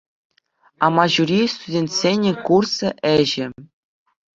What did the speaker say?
«Амаҫури» — студентсен курс ӗҫӗ.